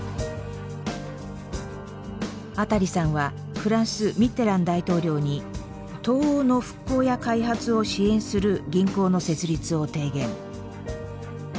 アタリさんはフランスミッテラン大統領に東欧の復興や開発を支援する銀行の設立を提言。